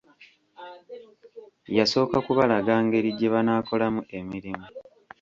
Yasooka kubalaga ngeri gye banaakolamu emirimu.